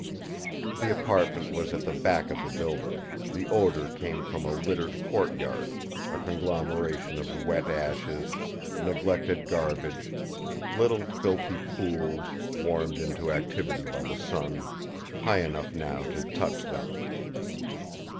The apartment was at the back of the building; the odour came from a littered courtyard, a conglomeration of wet ashes, neglected garbage, little filthy pools, warmed into activity by the sun, high enough now to touch them.